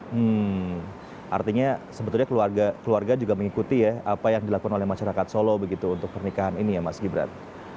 hmm artinya sebetulnya keluarga juga mengikuti ya apa yang dilakukan oleh masyarakat solo begitu untuk pernikahan ini ya mas gibran